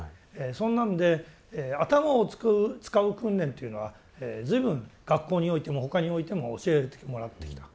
そんなんで頭を使う訓練というのは随分学校においても他においても教えてもらってきた。